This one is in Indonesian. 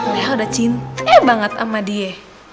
lea udah cintai banget ama dia